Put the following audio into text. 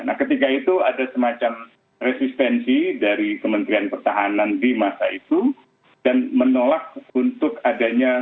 nah ketika itu ada semacam resistensi dari kementerian pertahanan di masa itu dan menolak untuk adanya